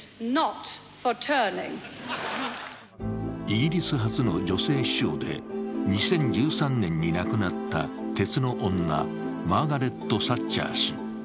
イギリス初の女性首相で２０１３年に亡くなった鉄の女、マーガレット・サッチャー氏。